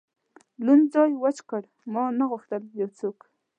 لوند ځای وچ کړ، ما نه غوښتل یو څوک.